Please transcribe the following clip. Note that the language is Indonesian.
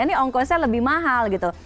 ini ongkosnya lebih mahal gitu